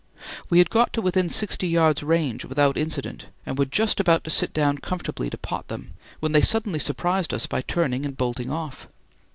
We had got to within sixty yards' range without incident and were just about to sit down comfortably to "pot" them, when they suddenly surprised us by turning and bolting off.